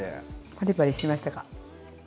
パリパリしてましたか？